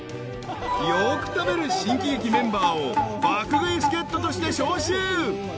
［よく食べる新喜劇メンバーを爆食い助っ人として招集］